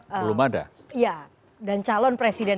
belum ada dan calon presiden